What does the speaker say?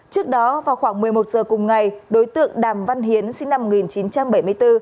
trước đó vào khoảng một mươi một giờ cùng ngày đối tượng đàm văn hiến sinh năm một nghìn chín trăm bảy mươi bốn